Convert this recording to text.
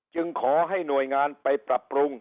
ขอให้หน่วยงานไปปรับปรุง